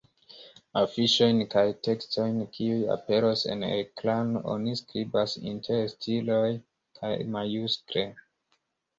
Afiŝojn kaj tekstojn kiuj aperos en ekrano oni skribas inter sitiloj kaj majuskle.